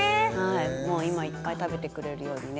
もう今いっぱい食べてくれるようにね